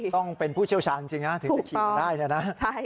ต้องเป็นผู้เชี่ยวชาญจริงถึงจะขีดได้นะ